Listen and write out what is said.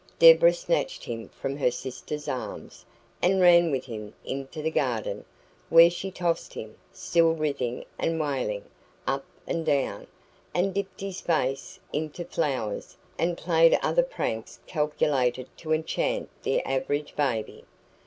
Deborah snatched him from her sister's arms, and ran with him into the garden, where she tossed him, still writhing and wailing, up and down, and dipped his face into flowers, and played other pranks calculated to enchant the average baby.